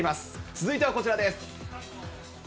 続いてはこちらです。